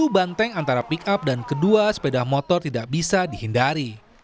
banteng antara pickup dan kedua sepeda motor tidak bisa dihindari